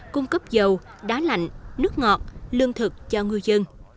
cung cấp dầu đá lạnh nước ngọt lương thực cho ngư dân